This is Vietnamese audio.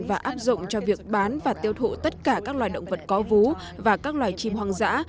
và áp dụng cho việc bán và tiêu thụ tất cả các loài động vật có vú và các loài chim hoang dã